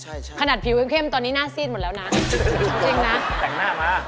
ใช่ใช่ขนาดผิวยังเข้มตอนนี้หน้าซีดหมดแล้วนะจริงนะแต่งหน้ามา